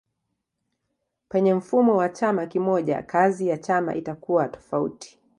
Penye mfumo wa chama kimoja kazi ya chama itakuwa tofauti.